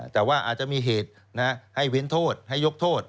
แต่ว่าอาจจะมีเหตุให้เว้นโทษให้ยกโทษ